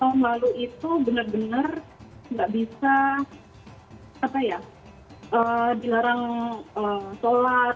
tahun lalu itu benar benar nggak bisa dilarang sholat